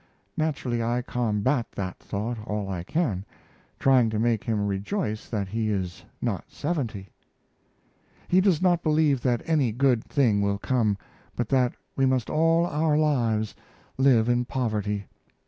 Naturally I combat that thought all I can, trying to make him rejoice that he is not seventy.... He does not believe that any good thing will come, but that we must all our lives live in poverty.